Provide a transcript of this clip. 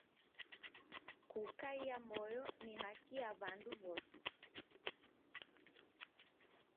Kukaia moyo ni haki ya w'andu w'ose